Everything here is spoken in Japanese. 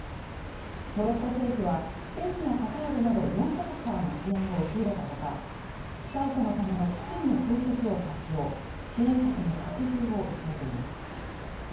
モロッコ政府はスペインやカタールなど４か国からの支援を受け入れたほか被災者のための基金の創設を発表支援策の拡充を急いでいます